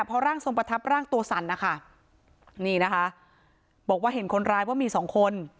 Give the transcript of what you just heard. พอร่างทรงประทับร่างตัวสั่นนะคะนี่นะคะบอกว่าเห็นคนร้ายว่ามีสองคน